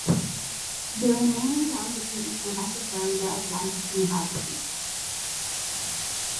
The remaining land became the campus of Florida Atlantic University.